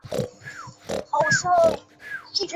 秦南琴是武侠小说作家金庸笔下的其中一个角色。